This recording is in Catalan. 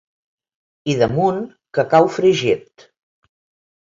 I damunt, cacau fregit.